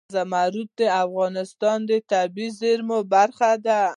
زمرد د افغانستان د طبیعي زیرمو برخه ده.